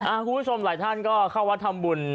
คุณผู้ชมหลายท่านก็เข้าวัดทำบุญ